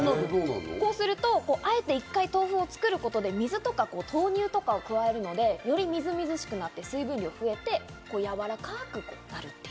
こうすると、あえて一回、豆腐を作ることで水とか豆乳とかを加えるので、よりみずみずしくなって、水分量が増えて、やわらかくなると。